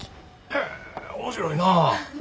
へえ面白いなあ。